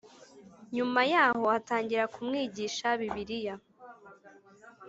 nyuma yaho atangira kumwigisha Bibiliya